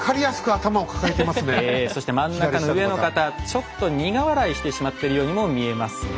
そして真ん中の上の方ちょっと苦笑いしてしまってるようにも見えますね。